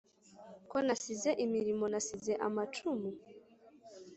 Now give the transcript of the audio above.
ko nasize imirimo nasize amacumu